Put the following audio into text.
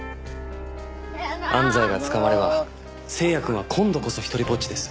安西が捕まれば星也くんは今度こそ独りぼっちです。